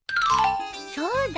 そうだ